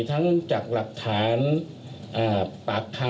ทั้งจากหลักฐานปากคำ